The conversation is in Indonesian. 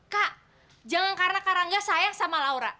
kak jangan karena kak rangga sayang sama laura